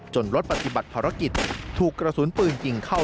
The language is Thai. รถปฏิบัติภารกิจถูกกระสุนปืนยิงเข้า